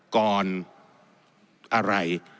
ก่อนอะไร